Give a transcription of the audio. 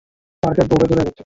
Target Broadway ধরে এগোচ্ছে।